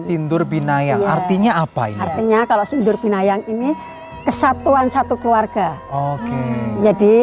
sindur binayang artinya apa artinya kalau sindur binayang ini kesatuan satu keluarga oke jadi